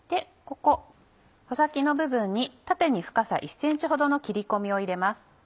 ここ穂先の部分に縦に深さ１ｃｍほどの切り込みを入れます。